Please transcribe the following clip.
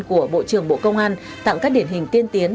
của bộ trưởng bộ công an tặng các điển hình tiên tiến